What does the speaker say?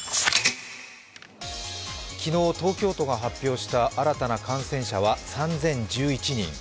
昨日、東京都が発表した新たな感染者は３０１１人。